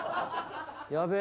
やべえ。